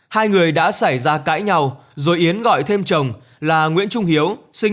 hai người đã xảy ra cãi nhau rồi yến gọi thêm chồng là nguyễn trung hiếu sinh